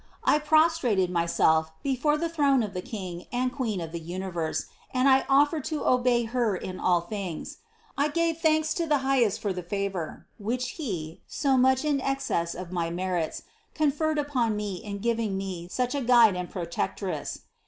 I prostrated myself before the throne of the King and Queen of the universe and I offered to obey Her in all things; I gave thanks to the Highest for the favor, which He, so much in excess of my merits, conferred upon me in giving me such a Guide and Protectress.